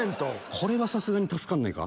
これはさすがに助からないか。